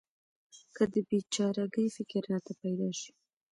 که د بې چاره ګۍ فکر راته پیدا شي.